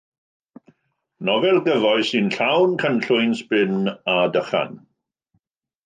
Nofel gyfoes sy'n llawn cynllwyn, sbin a dychan.